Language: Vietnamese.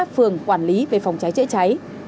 phường quản lý về phòng cháy chữa cháy